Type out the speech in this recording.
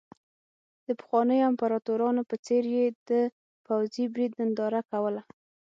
د پخوانیو امپراتورانو په څېر یې د پوځي پرېډ ننداره کوله.